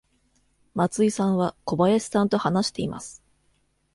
松井さんは小林さんと話しています。